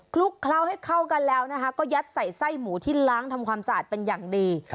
ลุกเคล้าให้เข้ากันแล้วนะคะก็ยัดใส่ไส้หมูที่ล้างทำความสะอาดเป็นอย่างดี